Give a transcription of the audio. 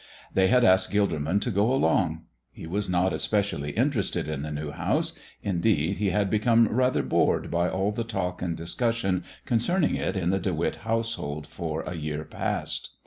They had asked Gilderman to go along. He was not especially interested in the new house; indeed, he had become rather bored by all the talk and discussion concerning it in the De Witt household for a year past.